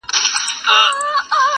سرومال به مو تر مېني قرباني کړه،